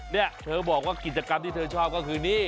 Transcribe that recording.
นี่เธอบอกว่ากิจกรรมที่เธอชอบก็คือนี่